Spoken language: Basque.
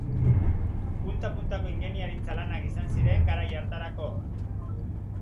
Punta-puntako ingeniaritza-lanak izan ziren garai hartarako.